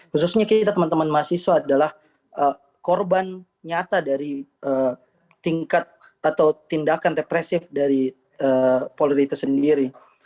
khususnya kita teman teman mahasiswa adalah korban nyata dari tingkat atau tindakan represif dari polri itu sendiri